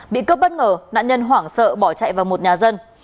bị cướp bất ngờ nạn nhân hoảng sợ bỏ chạy vào một nhà dân